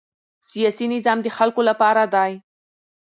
سیاسي نظام د خلکو لپاره دی